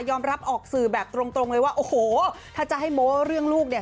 ออกรับออกสื่อแบบตรงเลยว่าโอ้โหถ้าจะให้โม้เรื่องลูกเนี่ย